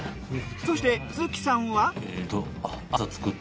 そして鈴木さんは？